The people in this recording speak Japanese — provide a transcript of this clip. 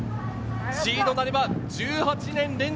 シードになれば１８年連続。